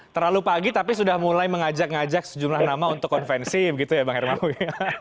terlalu pagi tapi sudah mulai mengajak ngajak sejumlah nama untuk konvensi begitu ya bang hermawi